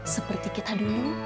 seperti kita dulu